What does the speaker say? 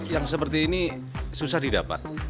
yang seperti ini susah didapat